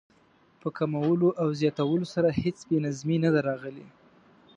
په کمولو او زیاتولو سره هېڅ بې نظمي نه ده راغلې.